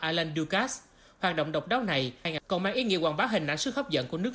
alain ducas hoạt động độc đáo này còn mang ý nghĩa hoàn bá hình nản sức hấp dẫn của nước